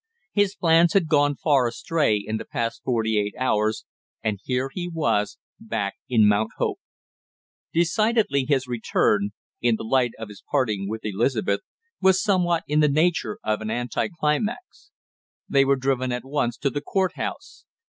His plans had gone far astray in the past forty eight hours, and here he was back in Mount Hope. Decidedly his return, in the light of his parting with Elizabeth, was somewhat in the nature of an anticlimax. They were driven at once to the court house.